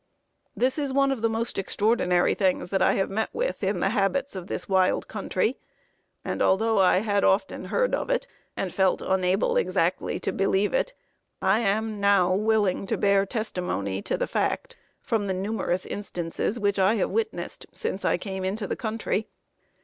"This is one of the most extraordinary things that I have met with in the habits of this wild country, and although I had often heard of it, and felt unable exactly to believe it, I am now willing to bear testimony to the fact from the numerous instances which I have witnessed since I came into the country.